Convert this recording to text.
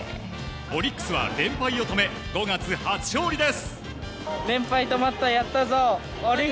オリックスは連敗を止め５月初勝利です。